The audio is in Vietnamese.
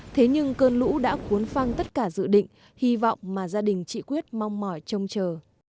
thế nhưng cơn lũ đã cuốn phăng tất cả dự định hy vọng mà gia đình chị quyết mong mỏi trông chờ